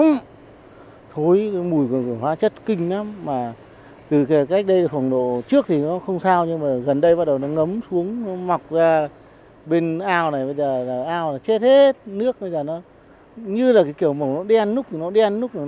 như thế này cây nhìn như thế này cây nó chết hết rồi